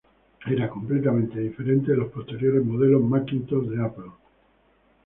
Era completamente diferente de los posteriores modelos Macintosh de Apple.